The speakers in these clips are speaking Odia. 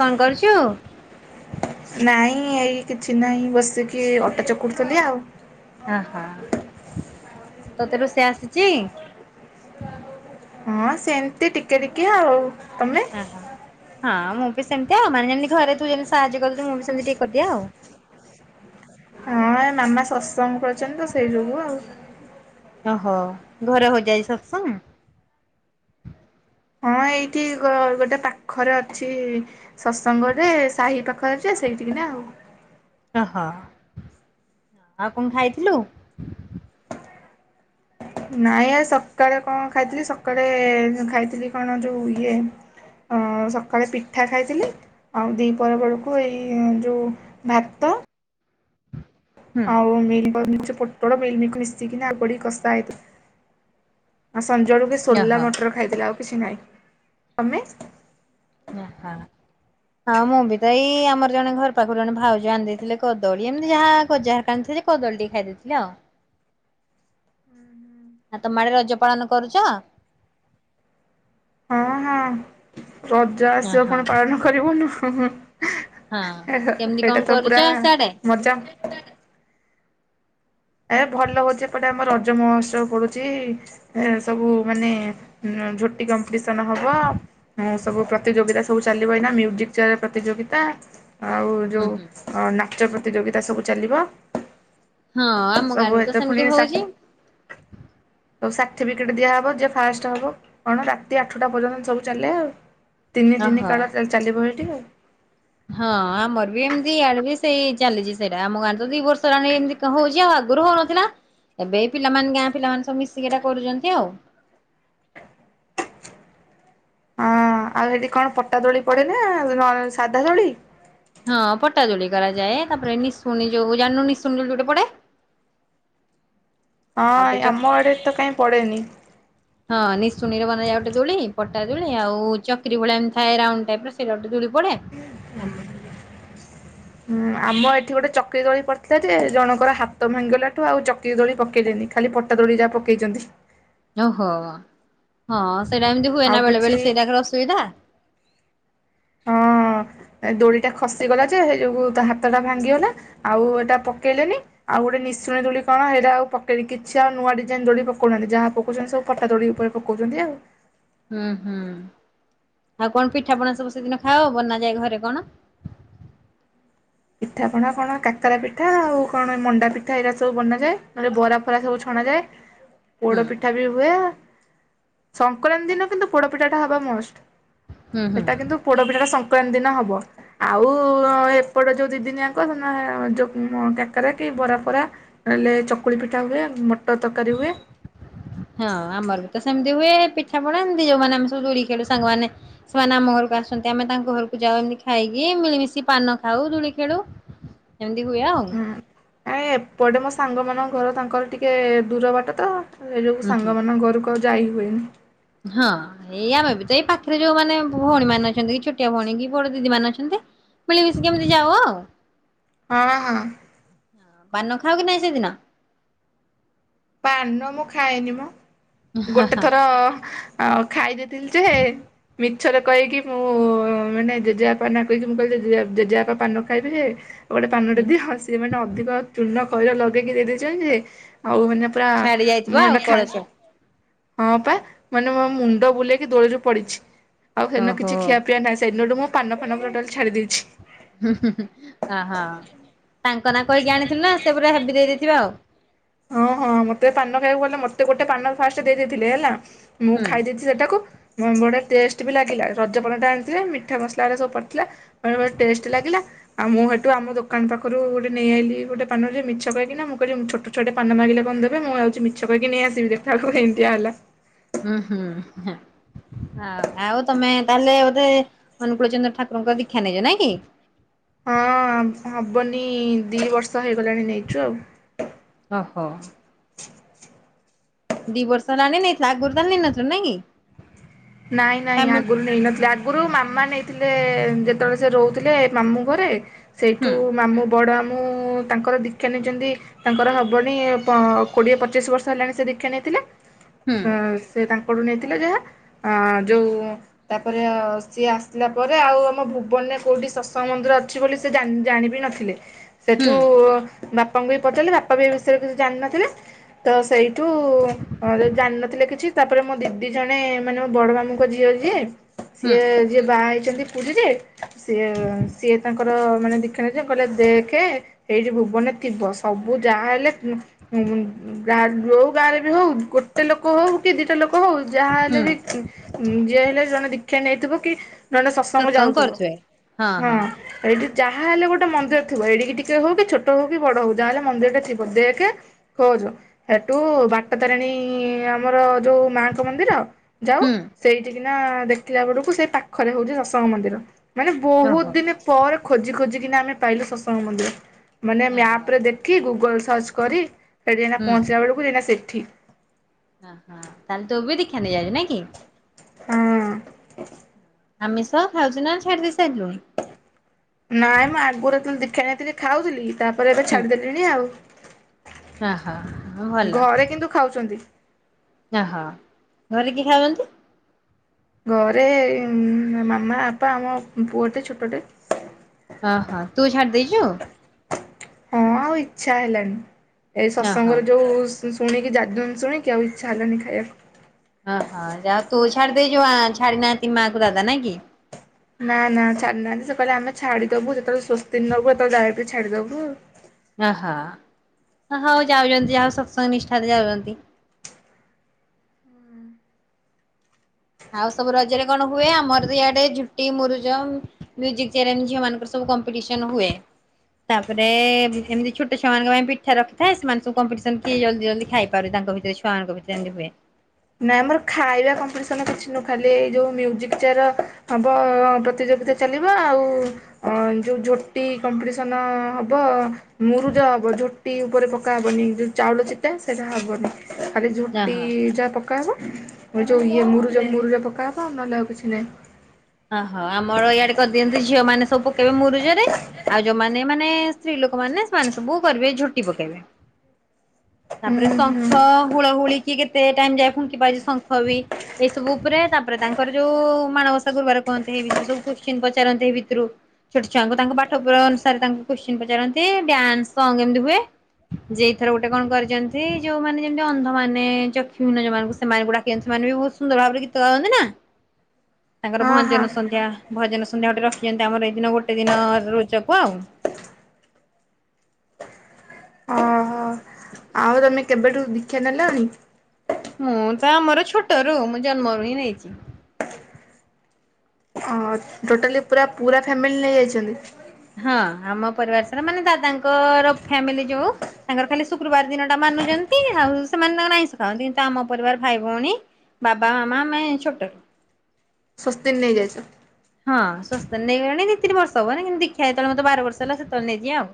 କଣ କରୁଛୁ। ନାଇଁ ଏଇ କିଛି ନାହିଁ ବସିକି ଅଟା ଚକଟୁଥିଲି ଆଉ ହ ହ ତତେ ରୋଷେଇ ଆସିଛି? ହଁ ସେମତି ଟିକେ ଟିକେ ଆଉ ତମେ ହଁ ମୁଁ ବି ସେମିତି ଆଉ ମାନେ ଯେମିତି ଘରେ ତୁ ଯେମିତି ସାହାଯ୍ୟ କରିଦେଉଚୁ ମୁଁ ବି ସେମିତି ଟିକେ କରିଦିଆ ଆଉ ହଁ ଏ ମାମା ସତସଙ୍ଗ କରୁଛନ୍ତି ତ ସେଇ ଯୋଗୁ ଆଉ ଓ ହଉ ଘରେ ହଉଯାଇ ସତସଙ୍ଗ ହଁ ଏଇଠି ଗୋଟେ ପାଖରେ ଅଛି। ସତସଙ୍ଗରେ ସାହି ପାଖରେ ଯେ ସେଇଠିକ ନା ଆଉ ହଁ ଆଉ କଣ ଖାଇଥିଲୁ? ନାଇଁ ଆଜି ସକାଳେ କଣ ଖାଇଥିଲି ସକାଳେ ଖାଇଥିଲି କଣ ଯୋଉ ଇଏ ହଁ ସକାଳେ ପିଠା ଖାଇଥିଲି। ଆଉ ଦିପହର ବେଳକୁ ଏଇ ଯେଉଁ ଭାତ ହୁଁ ଆଉ ମିଲ ପାଉ ସେପଟେ କଣ ମିଳିମିକ ମିଶିକିନା ଆଳୁ ପଡି କଷା ହେଇଥିଲା ଆଉ ସଞ୍ଜବେଳକୁ ସୋଲା ଓହୋ ମଟର ଖାଇଦେଲେ ଆଉ କିଛି ନାହିଁ। ତମେ ହଁ ହଁ। ଆଉ ମୁଁ ବି ତ ଏଇ ଆମର ଜଣେ ଘର ପାଖରୁ ଜଣେ ଭାଉଜ ଆଣି ଦେଇଥିଲେ କଦଳୀ ଏମିତି ଯାହା ଗଜାହାର ଆଣିଥିଲେ। କଦଳି ଟିକେ ଖାଇଦେଇଥିଲି ଆଉ [inaudible] ହ ତମ ଆଡେ ରଜ ପାଳନ କରୁଚ? ହଁ ହଁ ରଜା ଓହୋ ଆସିବ କଣ ପାଳନ କରିବୁନୁ। ହଁ କେମିତି କଣ ସେଇଟା ତ କରୁଛ ପୁରା ସିଆଡେ? ମଜା। ଏ ଭଲ ହଉଛି ଏପଟେ ଆମ ରଜ ମହୋତ୍ସବ ପଡୁଛି। ଏ ସବୁ ମାନେ ଝୋଟି କମ୍ପିଟିସନ ହବ। ହଁ ସବୁ ପ୍ରତିଯୋଗିତା ସବୁ ଚାଲିବ ଏଇନା ମିଉଜିକ ଚେୟାର ପ୍ରତିଯୋଗିତା ଆଉ ହୁଁ ଯୋଉ ହୁଁ ନାଚ ପ୍ରତିଯୋଗିତା ସବୁ ଚାଲିବ। ହଁ ଆମ ସବୁ ଗାଁରୁ ତ ଏତେ ସେମିତି ହଉଛି। ସାର୍ଟିଫିକେଟ ଦିଆହବ ଯିଏ ଫାଷ୍ଟ ହବ କଣ ରାତି ଆଠଟା ପର୍ଯ୍ୟନ୍ତ ସବୁ ଚାଲେ ଆଉ ତିନି ତିନି ଓହୋ। କାଳ ଚାଲିବ ଏଇଠି ଆଉ ହଁ ଆମର ବି ଏମିତି ଇଆଡେ ବି ସେଇ ଚାଲିଛି ସେଇଟା ଆମ ଗାଁରେ ତ ଦି ବର୍ଷ ହେଲାଣି ଏମତି ହଉଛି ଆଉ ଆଗରୁ ହଉନଥିଲା ଏବେ ଏଇ ପିଲମାନେ ଗାଁ ପିଲାମାନେ ସବୁ ମିଶିକି ଏଟା କରୁଛନ୍ତି ଆଉ ହଁ ଆଉ ସେଠି କଣ ପଟା ଦୋଳି ପଡେ ନା କଣ ସାଧା ଦୋଳି? ହଁ ପଟା ଦୋଳି କରାଯାଏ ତାପରେ ନିଶୁଣି ଯୋଉ ଜାଣିନୁ ନିଶୁଣି ଦୋଳି ଗୋଟେ ପଡେ। ହଁ ଆଉ ଗୋଟେ ଏ ଚ ଆମ ଆଡେ ତ କାଇଁ ପଡେନି। ହଁ ନିଶୁଣୀର ବନେଇବା ଗୋଟେ ଦୋଳି ପଟା ଦୋଳି ଆଉ ଚକ୍ରି ଭଳିଆ ଏମିତି ଥାଏ ରାଉଣ୍ଡ ଟାଇପର ସେଇଟା ଗୋଟେ ଦୋଳି ପଡେ। [inaudible] ହୁଁ ଆମ ଏଠି ଗୋଟେ ଚକ୍ରି ତଳି ପଡିଥିଲା ଯେ ଜଣଙ୍କର ହାତ ଭାଙ୍ଗିଗଲାଠୁ ଆଉ ଚକ୍ରି ଦୋଳି ପକେଇଲେନି ଖାଲି ପଟା ଦୋଳି ଯାହା ପକେଇଚନ୍ତି। ଓହୋ ହଁ ସେଇଟା ଏମିତି ଆଉ ହୁଏନା ବେଳେ ବେଳେ କିଛି ସେଇଟାକାର ଅସୁବିଧା। ହଁ ଏ ଦୋଳିଟା ଖସିଗଲା ଯେ ହେଇଯୋଗୁ ତା ହାତଟା ଭାଙ୍ଗିଗଲା। ଆଉ ଏଟା ପକେଇଲେନି। ଆଉ ଗୋଟେ ନିଶୁଣୀ ଦୋଳି କଣ ହେଇରା ଆଉ ପକେଇ କିଛି ଆଉ ନୂଆ ଡିଜାଇନ ଦୋଳି ପକୋଉହାନ୍ତି ଯାହା ପକଉଚନ୍ତି ସବୁ ପଠା ଦୋଳି ଉପରେ ପକଉଚନ୍ତି ଆଉ। ହୁଁ ହୁଁ ଆଉ କଣ ପିଠାପଣା ସବୁ ସେଦିନ ଖାଅ ବନା ଯାଏ ଘରେ କଣ? ପିଠାପଣା କଣ କାକରା ପିଠା ଆଉ କଣ ମଣ୍ଡା ପିଠ ଏଇରା ସବୁ ବନାଯାଏ ନହେଲେ ବରା ଫରା ସବୁ ଛଣା ଯାଏ। [inaudible] ହୁଁ ପୋଡପିଠା ବି ହୁଏ ସଂକ୍ରାନ୍ତି ଦିନ କିନ୍ତୁ ପୋଡପିଠାଟା ହବା ମଷ୍ଟ। ହୁଁ ସେଟା ହୁଁ। କିନ୍ତୁ ପୋଡପିଠାଟା ସଂକ୍ରାନ୍ତି ଦିନ ହବ ଆଉ ଏପଟ ଯୋଉ ଦିଦିନିଆଙ୍କ ସେ ଦିନ ହେ ଯୋଉ ମ କାକରା କି ବରାଫରା ନହଲେ ଚକୁଳି ପିଠା ହୁଏ ମଟର ତରକାରୀ ହୁଏ। ହଁ ଆମର ବି ତ ସେମିତି ହୁଏ ପିଠା ପଣା ସେମିତି ଯୋଉମାନେ ଆମେ ସବୁ ଦୁଳି ଖେଳୁ ସାଙ୍ଗମାନେ ସେମାନେ ଆମ ଘରକୁ ଆସନ୍ତି ଆମେ ତାଙ୍କ ଘରକୁ ଯାଉ ଏମିତି ଖାଇକି ମିଳିମିଶି ପାନ ଖାଉ ଦୁଳି ଖେଳୁ। ଏମିତି ହୁଏ ଆଉ। ହୁଁ ଆ ଏପଟେ ମୋ ସାଙ୍ଗମାନଙ୍କ ଘର ତାଙ୍କର ଟିକେ ଦୂର ବାଟ ତ ସେଇ ଯୋଗୁ ହୁଁ। ସାଙ୍ଗମାନଙ୍କ ଘରୁ କୁ ଆଉ ଯାଇ ହୁଏନି। ହଁ। ଏଇ ଆମେ ବି ତ ଏଇ ପାଖରେ ଯୋଉ ମାନେ ଭଉଣୀ ମାନେ ଅଛନ୍ତି କି ଛୋଟିଆ ଭଉଣୀ କି ବଡ ଦିଦି ମାନେ ଅଛନ୍ତି। ମିଳ ମିଶିକି ଏମିତି ଯାଅ। ହଁ ହଁ। ହଁ ପାନ ଖାଉ କି ନାଇଁ ସେଦିନ? ପାନ ମୁଁ ଖାଏନି ମ ଗୋଟେ ଥର ଆଉ ଖାଇ ଦେଇଥିଲି ଯେହେ ମିଛରେ କହିକି ମୁଁ ମାନେ ଜେଜେବାପା ନା କହିକି ମୁଁ କହିଲି ଜେଜ ଜେଜେବାପା ପାନ ଖାଇବି ଯେ। ଗୋଟେ ପାନଟେ ଦିହ ସିଏ ମାନେ ଅଧିକ ଚୂନ ଖଇର ଲଗେଇକି ଦେଇ ଦେଇଚନ୍ତି ଯେ ଆଉ ମାନେ ପୁରା ଛାଡି ଯାଇଥିବ ମୁଁ ହେ ଆଉ ଦିନ କଳସ ଖାଏ ହଁ ପା ମାନେ ମୋ ମୁଣ୍ଡ ବୁଲେଇକି ଦୋଳିରୁ ପଡିଛି। ଆଉ ସେଦିନ ଓହୋ କିଛି ଖିଆ ପିଆ ନାହିଁ ସେଇ ଦିନଠୁ ମୁଁ ପାନ ଫାନ ପୁରା [unintelligible] ଛାଡି ଦେଇଛି। [unintelligible] ଅହ ତାଙ୍କ ନାଁ କହିକି ଆଣିଥିଲୁ ନା ସେ ପୁରା ହେବି ଦେଇ ଦେଇଥିବ ଆଉ। ହଁ ହଁ ମତେ ପାନ ଖାଇବାକୁ ଗଲେ ମତେ ଗୋଟେ ପାନ ଫାଷ୍ଟ ଦେଇ ଦେଇଥିଲେ ହେଲା ମୁଁ ହୁଁ ଖାଇ ଦେଇଥି ସେଟାକୁ ବ-ବଢିଆ ଟେଷ୍ଟ ବି ଲାଗିଲା ରଜ ପାନଟା ଆଣିଥିଲେ ମିଠା ମସଲାରା ସବୁ ପଡିଥିଲା। ମାନେ ପୁରା ଟେଷ୍ଟ ଲାଗିଲା। ଆଉ ମୁଁ ହେଠୁ ଆମ ଦୋକାନ ପାଖରୁ ଗୋଟେ ନେଇ ଆଇଲି ଗୋଟେ ପାନଟେ ମିଛ କହିକି ମୁଁ କହିଲି ମୁ ଛୋଟ ଛୁଆଟେ ପାନ ମାଗିଲେ କଣ ଦେବ। ମୁଁ ଯାଉଚି ମିଛ କହିକ ନେଇ ଆସିବି ଦେଖିଲା ବେଳକୁଏମିତିଆ ହେଲା। ହୁଁ ହୁଁ ହେଁ। ଆଉ ଆଉ ତମେ ତାହେଲେ ବୋଧେ ଅନୁକୂଳ ଚନ୍ଦ୍ର ଠାକୁରଙ୍କ ଦୀକ୍ଷା ନେଇଚ ନାଁ କି। ହଁ ହବନି ଦି ବର୍ଷ ହେଇଗଲାଣି ନେଇଚୁ ଆଉ। ଓହୋ। ଦି ବର୍ଷ ହେଲାଣି ନେଇଥିଲା ଆଗୁରୁ ତ ନେଇନଥିଲା ନାଇଁ କି? ନାଇଁ ନାଇଁ ଆମେ ଆଗୁରୁ ନେଇନଥିଲେ ଆଗରୁ ମାମା ନେଇଥିଲେ ଯେତେବେଳେ ସେ ରହୁଥିଲେ ମାମୁଁ ଘରେ ହୁଁ ସେଇଠୁ ମାମୁଁ ବଡ ମାମୁଁ ତାଙ୍କର ଦି ଦୀକ୍ଷା ନେଇଛନ୍ତି ତାଙ୍କର ହବନି କୋଡ଼ିଏ ପଚିଶ ବର୍ଷ ହେଲାଣି ସେ ଦୀକ୍ଷା ନେଇଥିଲେ। ହୁଁ ଅ ସେ ତାଙ୍କଠୁ ନେଇଥିଲେ ଯାହା ଅ ଯୋଉ ତାପରେ ସିଏ ଆସିଲା ପରେ ଆଉ ଆମ ଭୁବନରେ କଉଠି ଶତ୍ସଙ୍ଗ ମନ୍ଦିର ଅଛି ବୋଲି ସେ ଜାଣିବି ନଥିଲେ, ହୁଁ ସେଠୁ ବାପାଙ୍କୁ ବି ପଚାରିଲେ ବାପା ବି ଏ ବିଷୟରେ କିଛି ଜାଣିନଥିଲେ। ତ ସେଇଠୁ ଜାଣିନଥିଲେ କିଛି ତାପରେ ମୋ ଦିଦି ଜଣେ ମାନେ ମୋ ବଡ଼ ମାମୁଙ୍କ ଝିଅ ଯିଏ ହୁଁ ସିଏ ଯିଏ ବାହା ହେଇଛନ୍ତି ପୁରୀରେ ସିଏ ସିଏ ତାଙ୍କ ତାଙ୍କର ମାନେ ଦୀକ୍ଷା ନେଇଛନ୍ତି କହିଲେ ଦେଖେ ସେଇଠି ଭୁବନରେ ଥିବ ସବୁ ଯାହାହେଲେ ଗାଁ ଯଉ ଗାଁରେ ବି ହଉ ଗୋଟେ ଲୋକ ହଉ କି ଦିଟା ଲୋକ ହଉ ଯାହା ହେଲେ ହୁଁ ବି ଯିଏ ହେଲେ ଜଣେ ଦୀକ୍ଷା ନେଇଥିବ କି ନହେଲେ ଶତ୍ସଙ୍ଗ ଯାଉଥିବ, ହଁ। ସେଇଠି ଯାହା ହେଲେ ଗୋଟେ ମନ୍ଦିର ଥିବ, ଏଡିକି ଟିକେ ହଉ କି ଛୋଟ ହଉ କି ବଡ ହଉ ଯାହା ହେଲେ ମନ୍ଦିର ଟା ଥିବ, ଦେଖେ ଖୋଜ ସେଠୁ ବାଟ ତାରିଣୀ ଆମର ଯଉଁ ମାଆଙ୍କ ମନ୍ଦିର ଯାଉ ହୁଁ। ସେଇଠିକିନା ଦେଖିଲା ବେଳକୁ ସେଇ ପାଖରେ ହଉଛି ଶତ୍ସଙ୍ଗ ମନ୍ଦିର। ମାନେ ବହୁତ ଓହୋ ଦିନି ପରେ ଖୋଜି ଖୋଜିିକିନା ଆମେ ପାଇଲୁ ଶତ୍ସଙ୍ଗ ମନ୍ଦିର। ମାନେ ଓହୋ ମ୍ୟାପ୍ରେ ଦେଖି ଗୁଗଲ୍ ସର୍ଚ୍ଚ କରି ସେଠିଯାଇକିନା ହୁଁ। ପହଞ୍ଚିଲା ବେଳକୁ ଯାଇନା ସେଠି। ହଁ ହଁ ତାହଲେ ତୁ ବି ଦୀକ୍ଷା ନେଇଯାଇଛୁ ନାଇଁ କି? ହଁ। ଆମିଷ ଖାଉୁଚୁ ନା ଛାଡିଦେଇ ସାରିଲୁଣି? ନାଇଁ ମୁଁ ଆଗୁରୁଯେତେବେଳେ ଦୀକ୍ଷା ନେଇଥିଲି ଖାଉଥିଲି ତାପରେ ଏବେ ହୁଁ ଛାଡିଦେଲିଣି ଆଉ। ଓହୋ ଭଲ ଘରେ କିନ୍ତୁ ଖାଉଛନ୍ତି। ଓହୋ, ଘରେ କିଏ ଖାଉଛନ୍ତି? ଘରେ ମାମା ବାପା ଆମ ପୁଅଟେ ଛୋଟଟେ। ଓହୋ, ତୁ ଛାଡି ଦେଇଛୁ? ହଁ ଆଉ ଇଛା ହେଲନି, ଏଇ ଓହୋ। ଶତ୍ସଙ୍ଗର ଯୋଉ ଶୁଣିକି [inaudible] ଶୁଣିକି ଆଉ ଇଚ୍ଛା ହେଲଖନି ଖାଇବାକୁ। ଓହୋ ଯାଅ ତୁ ଛାଡିଦେଇଛୁ ଛାଡି ନାହାନ୍ତି ମା କୁ ଦାଦା ନାଇଁ କି? ନା ନା ଛାଡିନାହାନ୍ତି ସେ କହିଲେ ଆମେ ଛାଡିଦବୁ ଯେତେବେଳେ ସ୍ୱସ୍ତିନ୍ ନବୁ ସେତେବେଳେ ଯାଇକି ଛାଡିଦବୁ ଓହ ହଉ ଯାଉଛନ୍ତି ଯା ହଉ ସତ୍ସଙ୍ଗ ନିଷ୍ଠାରେ ଯାଉଛନ୍ତି। ଆଉ ସବୁ ରଜରେ କଣ ହୁଏ ଆମର ତ ଇଆଡେ ଝୋଟି ମୁରୁଜ ମ୍ଯୁଜିକ୍ ଚେୟାର ଝିଅ ମାନଙ୍କର ସବୁ କମ୍ପିଟିସନ ହୁଏ। ତାପରେ ଏମିତି ଛୋଟ ଛୁଆଙ୍କ ପାଇଁ ପିଠା ରଖିଥାଏ ସେମାନେ ସବୁ କମ୍ପିଟିସନ କିଏ ଜଲ୍ଦି ଜଲ୍ଦି ଖାଇ ତାଙ୍କ ଭିତରେ ଛଆମାନଙ୍କ ଭିତରେ ଏମତି ହୁଏ। ନା ଆମର ଖାଇବା କମ୍ପିଟିସନ କିଛି ନୁହଁ ଖାଲି ଏଇ ଯୋଉ ମ୍ଯୁଜିକ୍ ଚେୟାର ହବ ପ୍ରତିଯୋଗିତା ଚାଲିବ ଆଉ ଅ ଯଉ ଝୋଟି କମ୍ପିଟିସନ ହବ। ମୁରୁଜ ହବ ଝୋଟି ଉପରେ ପକାହବନି ଯୋଉ ଚାଉଳ ଚିତା ସେଇଟା ହବନି। ଖାଲି ଝୋଟି ଓହୋ ଯାହା ପକା ହବ ଯୋଉ ଇ ମୁରୁଜ ମୁରୁଜ ପକାହବ ନହେଲେ ଆଉ କିଛି ନାହିଁ। ଓହୋ, ଆମର ଇଆଡେ କରିଦିଅନ୍ତିୁ ଝିଅ ମାନେ ସବୁ ପକେଇବେ ମୁରୁଜରେ। ଆଉ ଯୋଉମାନେ ମାନେ ସ୍ତ୍ରୀ ଲୋକମାନେ ସେମାନେ ସବୁ କରିବେ ଝୋଟି ପକେଇବେ। ହୁଁ ତାପରେ ହୁଁ ଶଙ୍ଖ ହୁଳ ହୁଳି କିଏ କେତେ ଟାଇମ୍ ଯାଏ ଫୁଙ୍କି ପାରୁମିଛି ଶଙ୍ଖ ବି ଏଇସବୁ ଉପରେ ତାପରେ ତାଙ୍କର ଯୋଉ ମାଣବସ ସା ଗୁରୁବାର କୁହନ୍ତି ଏଇ ବିଷୟରେ ସବୁ କୁଶ୍ଚିନ୍ ପଚାରନ୍ତି ଏଇ ଭିତରୁ। ଛୋଟ ଛୁଆଙ୍କୁ ତାଙ୍କ ପାଠ ପ-ଅନୁସାରେ ତାଙ୍କୁ କୁଶ୍ଚେନ୍ ପଚାରନ୍ତି ଡ୍ୟାନ୍ସ ସଙ୍ଗ ଏମିତି ହୁଏ। ଯେ ଏଇଥର ଗୋଟେ କଣ କରିଚନ୍ତି ଯୋଉମାନେ ଯେମତି ଅନ୍ଧ ମାନେ ଚକ୍ଷୁହୀନ ଯୋଉମାନଙ୍କୁ ସେମାନଙ୍କୁ ଡା [unintelligible] ସେମାନେ ବି ବହୁତ ସୁନ୍ଦର ଭାବରେ ଗୀତ ଗାଆନ୍ତି ନା। ତାଙ୍କର ହଁ ହଁ ଭଞ୍ଜନ ସନ୍ଧ୍ୟା ଭଜନ ସନ୍ଧ୍ୟା ଗୋଟେ ରଖିଚନ୍ତି ଆମର ଏଇ ଦିନ ଗୋଟେ ଦିନ ରୋଜା କୁ ଆଉ। ଓହୋ [inaudible] ଆଉ ତୋମେ କେବେଠୁ ଦୀକ୍ଷା ନେଲଣି? ମୁଁ ତ ଆମର ଛୋଟରୁ ମୁଁ ଜନ୍ମରୁ ହିଁ ନେଇଛି। ଟୋଟାଲି ପୁରା ପୁରା ଫ୍ୟାମିଲି ନେଇଯାଇଛନ୍ତି? ହଁ ଆମ ପରିବାର ସାରା ମାନେ ଦାଦାଙ୍କର ଫ୍ୟାମିଲି ଯୋଉ ତାଙ୍କର ଖାଲି ଶୁକ୍ରବାର ଦିନଟା ମାନୁଚନ୍ତି ଆଉ ସେମାନେ ତାଙ୍କର ଆଇଁଷ ଖାଆନ୍ତି। କିନ୍ତୁ ଆମ ପରିବାର ଭାଇ ଭଉଣୀ ବାବାା ମାମା ଆମେ ଛୋଟରୁ। ଶସ୍ତି ନେଇଯାଇଚ? ହଁ ଶସ୍ତି ନେଇଗଲେଣି ଦି ତିନିର୍ଷ ହବ ନା କିନ୍ତ ଦୀକ୍ଷା ଯେତବେଳେ ମୋତେ ବାର ବର୍ଷ ହେଲା ସେତଳେ ନେଇଚି ଆଉ।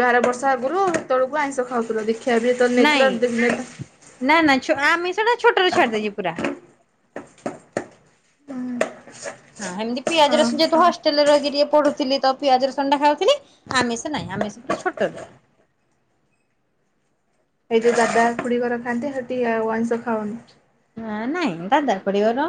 ବାର ବର୍ଷ ଆଗରୁ ସେତବେଳକୁ ଆଇଁଷ ଖାଉଥିଲ ଦୀକ୍ଷା ବି ଯେତଳେ ନାଇଁ ନେଇଥିଲ [inaudible] ନା ନା ଛ- ଆମିଷ ଟା ଛୋଟରୁ ଛାଡିଦେଇଚି ପୁରା। ହଁ ସେମିତି ପିଆଜ ହଁ ରସୁ ଯେହତୁ ହଷ୍ଟେଲ୍ ରେ ରହିକି ଟିକେ ପଢୁଥିଲେ ତ ପିଆଜ ରସୁଣ ଟା ଖାଉଥିଲି। ଆମିଷ ନାହିଁ ଆମିଷ ପୁରା ଛୋଟରୁ। ଏଇ ଯୋଉ ଦାଦା ଖୁଡି ଘର ଖାଆନ୍ତେ ସେଠି ଆଉ ଆଇଁଷ ଖାଅନି? ନା ନାଇଁ ଦାଦା ଖୁଡି ଘର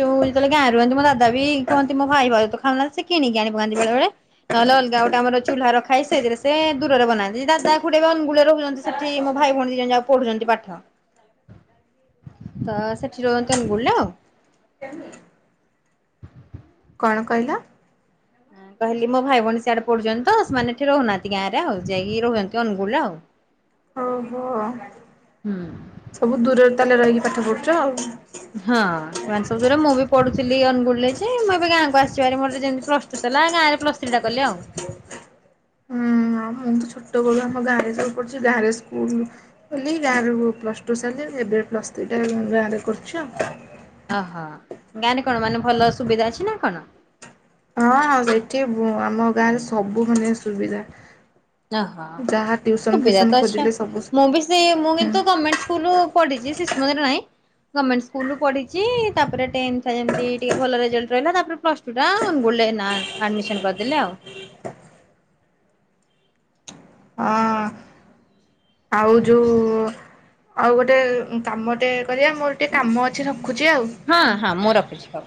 ଯୋଉ ଯେତେଳେ ଗାଁ ରେ ରୁହନ୍ତି ମୋ ଦାଦା ବି କୁହନ୍ତି ମୋ ଭାଇ ଭାଉ ତ ଖାଉନାହା ସେ କି କିଣିକି ଆଣିପକାନ୍ତି ବେଳେବେଳେ। ନହେଲେ ଅଲଗା ଗୋଟେ ଆମର ଚୁହ୍ଲା ରଖାହେଇଚି ସେଇଥିରେ ସେ ଦୂରରେ ବନାନ୍ତି। ଦାଦା ଖୁଡି ଏବେ ଅନୁଗୁଳରେ ରହୁଛନ୍ତି ସେ ଠି ମୋ ଭାଇ ଭଉଣୀ ଦି ଜଣ ଯାକ ପଢୁଛନ୍ତି ପାଠ। ତ ସେଠି ରୁହନ୍ତି ଅନୁଗୁଳ ଲ? କେ [inaudible] କଣ କହିଲ? କହିଲି ମୋ ଭାଇ ଭଉଣୀ ସିଆଡେ ପଢୁଛନ୍ତି ତ, ସେମାନେ ଏଠି ରହୁନାହାନ୍ତି ଗାଁ ରେ ଆଉ ଯାଇକି ରୁହେନ୍ତି ଅନୁଗୁଳରେ ଆଉ। ଓହୋ। ହୁଁ। ସବୁ ଦୂରରେ ତାହେଲେ ରହିକି ପାଠ ପଢୁଛ ଆଉ। ହଁ ସେମାନେ ସବୁ ଦୂରରେ, ମୁଁ ବି ପଢୁଥିଲି ଅନୁଗୁଳରେ ଯେ ମୁଁ ଏବେ ଗାଁକୁ ଆସିିଛି ଭାରି ମୋର ଯେମତି ପ୍ଲସ୍ ଟୁ ସରିଲା ଗାଁରେ ପ୍ଲସ୍ ଥ୍ରୀ ଟା କଲେ ଆଉ। ଛୋଟବେଳୁ ଆମ ଗାଁରେ ସବୁ ପଢ଼ିଛି ଗାଁ ରେ ସ୍କୁଲୁ କଲି ଗାଁରୁ ପ୍ଲସ୍ ଟୁ ସାରିଲି, ଏବେ ପ୍ଲସ୍ ଥ୍ରୀ ଟା ଉଁ, ଗାଁରେ କରୁଛି ଆଉ। ଓହୋ, ଗାଁରେ କଣ ମାନେ ଭଲ ସୁବିଧା ଅଛି ନା କଣ? ହଁ ହଁ ସେଇଠି ବୁଁ, ଆମ ଗାଁ ରେ ସବୁ ମାନେ ସୁବିଧା। ଯାହା ଓହୋ ଟ୍ୟୁସନ୍ ସୁବିଧା ଫ୍ୟୁସନ୍ ତ ଅଛି। ଖୋଜିଲେ ସବୁ ମୁଁ ସୁବିଧା। ବି ସେ ମୁଁ କିନ୍ତୁ ଗର୍ମେଣ୍ଟ ସ୍କୁଲ୍ ରୁ ପଢିଛି ଶିଶୁମନ୍ଦିର ନାଇଁ। ଗମେଣ୍ଟ ସ୍କୁଲ୍ ରୁୁ ପଢିଛି। ତାପରେ ଟେନ୍ଥ ଯେମିତି ଟିକେ ଭଲ ରେଜଲ୍ଟ ରହିଲା ତାପରେ ପ୍ଲସ୍ ଟୁ ଟା ଅନୁଗୁଳୁରେ ନାଁ ଆଡ଼ମିସନ୍ କରିଦେଲି ଆଉ। ଅ, ଆଉ ଯୋଉ। ଆଉ ଗୋଟେ କାମ ଟେ କରିବା ମୋର ଟିକେ କାମ ଅଛି ରଖୁଛି ଆଉ। ହଁ ହଁ ମୁଁ ରଖୁଛି ହଉ।